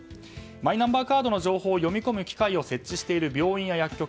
マイナンバーカードの情報を読み込む機械を設置している病院や薬局